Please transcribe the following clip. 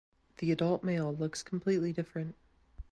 The adult Male looks completely different.